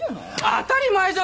当たり前じゃない！